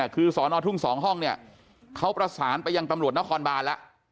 คือสอนอทุ่ง๒ห้องเนี่ยเขาประสานไปยังตำรวจนครบานแล้ว